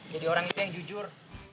jadi orang itu yang jujur